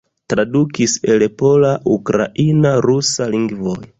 Tradukis el pola, ukraina, rusa lingvoj.